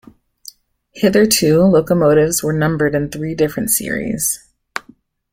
Hitherto, locomotives were numbered in three different series.